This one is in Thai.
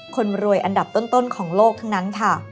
คนรวยอันดับต้นของโลกทั้งนั้นค่ะ